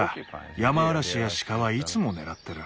ヤマアラシやシカはいつも狙ってる。